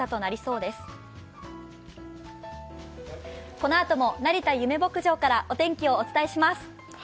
このあとも成田ゆめ牧場からお天気をお伝えします。